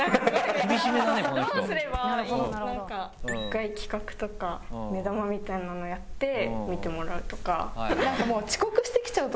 １回、企画とか目玉みたいなものをやって見てもらうとか。